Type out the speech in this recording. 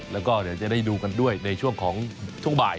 แล้วก็เดี๋ยวจะได้ดูกันด้วยในช่วงของช่วงบ่าย